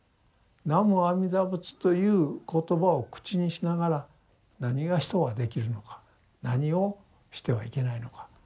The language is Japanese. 南無阿弥陀仏という言葉を口にしながら何が人はできるのか何をしてはいけないのか。